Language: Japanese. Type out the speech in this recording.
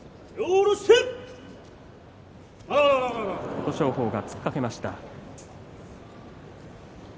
琴勝峰が突っかけました。